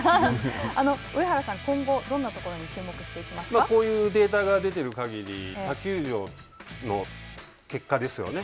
上原さん、今後、どんなところこういうデータが出ている限り、他球場の結果ですよね。